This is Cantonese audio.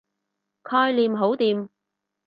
概念好掂